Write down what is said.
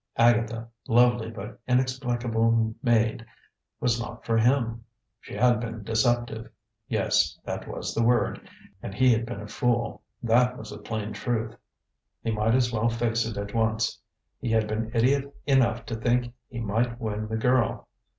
Agatha, lovely but inexplicable maid, was not for him. She had been deceptive yes, that was the word; and he had been a fool that was the plain truth. He might as well face it at once. He had been idiot enough to think he might win the girl.